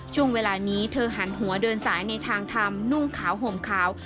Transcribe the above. ช่วงเวลานี้เธอหันหัวเดินสายในทางทำนุ่งขาวห่มขาว